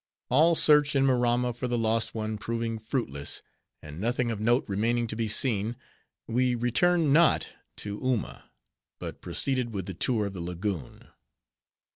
All search in Maramma for the lost one proving fruitless, and nothing of note remaining to be seen, we returned not to Uma; but proceeded with the tour of the lagoon.